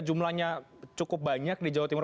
jumlahnya cukup banyak di jawa timur